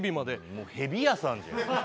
もう蛇屋さんじゃん。